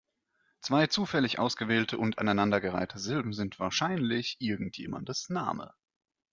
Zwei zufällig ausgewählte und aneinandergereihte Silben sind wahrscheinlich irgendjemandes Name.